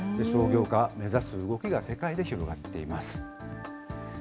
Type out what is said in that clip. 商業化、目指す動きが世界で広がっています。